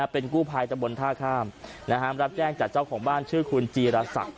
เป็นกู้ภัยตะบนท่าข้ามรับแจ้งจากเจ้าของบ้านชื่อคุณจีรศักดิ